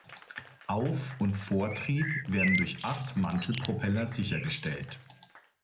Auf- und Vortrieb werden durch acht Mantelpropeller sichergestellt.